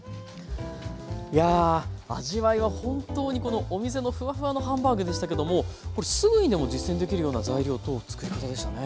いや味わいは本当にお店のフワフワのハンバーグでしたけどもこれすぐにでも実践できるような材料と作り方でしたね。